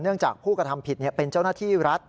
จากผู้กระทำผิดเป็นเจ้าหน้าที่รัฐ